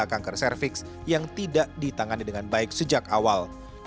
kami mengatakan bahwa kondisi ini tidak bisa dikendalikan oleh pemerintah